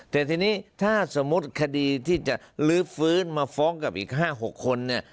แต่ทีนี้ถ้าสมมุติคดีที่จะลื้อฟื้นมาฟ้องกับอีก๕๖คนเนี่ย